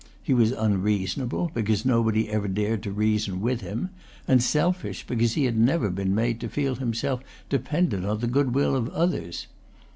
He was unreasonable, because nobody ever dared to reason with him, and selfish, because he had never been made to feel himself dependent on the goodwill of others.